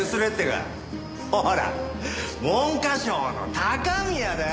ほら文科省の高宮だよ！